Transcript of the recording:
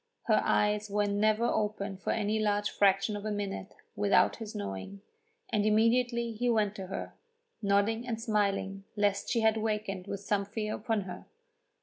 Her eyes were never open for any large fraction of a minute without his knowing, and immediately he went to her, nodding and smiling lest she had wakened with some fear upon her.